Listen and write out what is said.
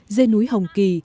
dê núi hồng kỳ